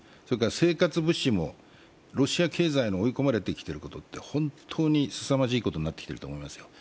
生活物資もロシア経済が追い込まれてきてることは本当にすさまじいことになってきていると思いますよ。